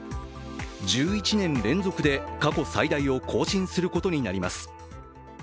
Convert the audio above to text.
１１年連続で過去最大を更新することになります。